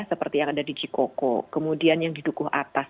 seperti yang ada di cikoko kemudian yang di dukuh atas